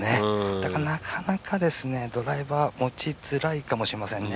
だからなかなかドライバーを持ちづらいかもしれませんね。